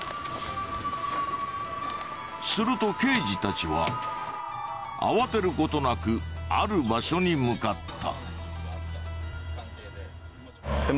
すると刑事たちは慌てることなくある場所に向かった。